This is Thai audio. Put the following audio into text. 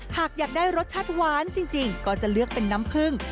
หากอยากได้รสชาติหวานจริงก็จะเลือกเป็นน้ำผึ้ง